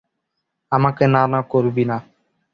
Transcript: আমাকে না না করবি না।